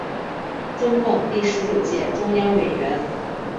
中共第十九届中央委员。